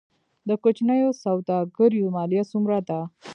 د کوچنیو سوداګریو مالیه څومره ده؟